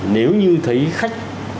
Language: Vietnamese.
nếu như thấy khách